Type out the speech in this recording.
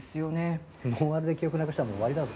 ノンアルで記憶なくしたらもう終わりだぞ。